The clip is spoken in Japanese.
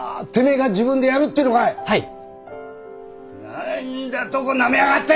何だとなめやがって！